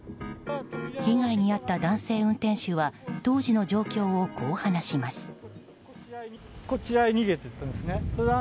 被害に遭った男性運転手は当時の状況をこう話します。